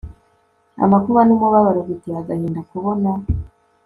amakuba numubabaro Biteye agahinda kubona